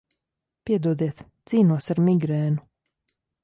Piedodiet, cīnos ar migrēnu.